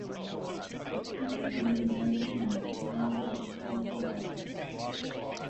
It features Marina dancing in an ensemble of colorful outfits.